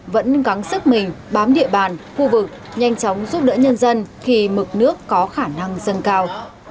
vẫn gắn sức mình bám địa bàn khu vực nhanh chóng giúp đỡ nhân dân khi mực nước có khả năng dâng cao